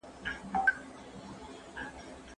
ژباړن بايد دا اصول په ياد ولري.